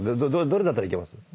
どれだったらいけます？